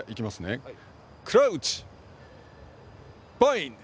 クラウチ、バインド。